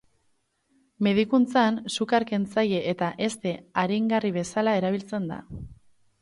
Medikuntzan sukar-kentzaile eta heste-aringarri bezala erabiltzen da.